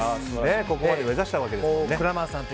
ここまで目指したわけですからね。